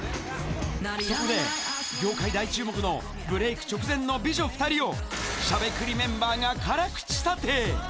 そこで、業界大注目のブレイク直前の美女２人を、しゃべくりメンバーが辛口査定。